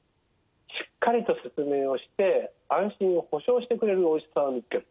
しっかりと説明をして安心を保証してくれるお医者さんを見つける。